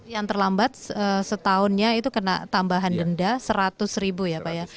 yang terlambat setahunnya itu kena tambahan denda seratus ribu ya pak ya